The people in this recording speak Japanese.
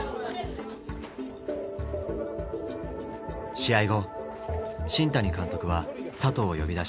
試合後新谷監督は里を呼び出しました。